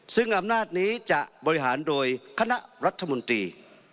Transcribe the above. ซึ่งอำนาจนี้จะบริหารโดยคณะรัฐมนตรี